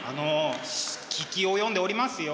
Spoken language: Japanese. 聞き及んでおりますよ。